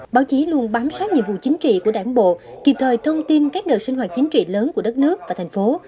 báo chí luôn bám sát nhiệm vụ chính trị của đảng bộ kịp thời thông tin các đợt sinh hoạt chính trị lớn của đất nước và thành phố